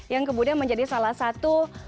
yang kemudian menjadi salah satu